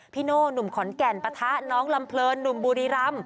โน่หนุ่มขอนแก่นปะทะน้องลำเพลินหนุ่มบุรีรำ